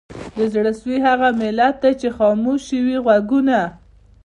د زړه سوي هغه ملت دی چي خاموش یې وي ږغونه